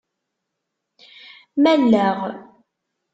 Malleɣ.